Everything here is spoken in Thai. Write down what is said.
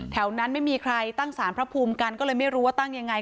นั้นไม่มีใครตั้งสารพระภูมิกันก็เลยไม่รู้ว่าตั้งยังไง